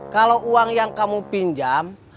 kalau uang yang kamu pinjam